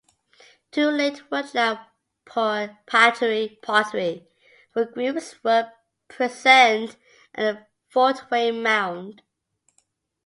Two Late Woodland pottery ware groups were present at the Fort Wayne Mound.